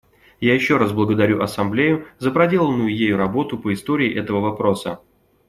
Я еще раз благодарю Ассамблею за проделанную ею работу по истории этого вопроса.